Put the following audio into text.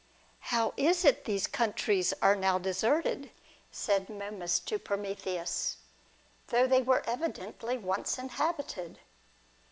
"How is it these countries are now deserted," said Momus to Prometheus, "though they were evidently once inhabited